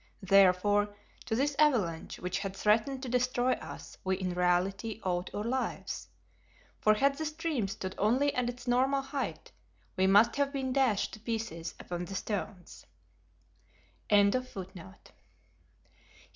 Therefore, to this avalanche, which had threatened to destroy us, we in reality owed our lives, for had the stream stood only at its normal height we must have been dashed to pieces upon the stones.